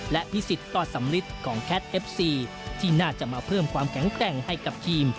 และพิสิทธิต่อสำลิดของแคทเอฟซีที่น่าจะมาเพิ่มความแข็งแกร่งให้กับทีม